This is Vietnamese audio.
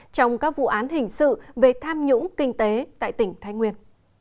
trong các vụ án hình sự về tham nhũng kinh tế tại tỉnh thái nguyên